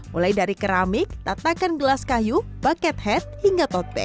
mulai dari keramik tatakan gelas kayu bucket hat hingga tote